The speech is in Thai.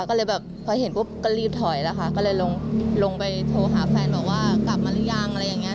ก็เลยแบบพอเห็นปุ๊บก็รีบถอยแล้วค่ะก็เลยลงลงไปโทรหาแฟนบอกว่ากลับมาหรือยังอะไรอย่างเงี้